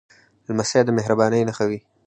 لمسی د مهربانۍ نښه وي.